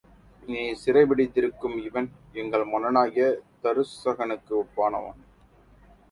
நீ சிறை பிடித்திருக்கும் இவன் எங்கள் மன்னனாகிய தருசகனுக்கு ஒப்பானவன்!